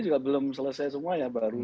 juga belum selesai semua ya baru